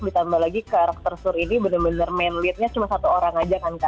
ditambah lagi karakter suri ini benar benar main leadnya cuma satu orang aja kan kak